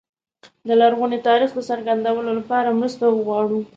د لرغوني تاریخ د څرګندولو لپاره مرسته وغواړو.